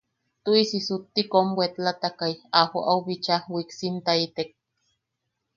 Tuʼisi sutti kom wetlatakai au joʼau bicha wiksimtaitek.